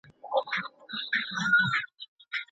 د کوم لرې غروب سرې رڼا ته خوب وړی دی.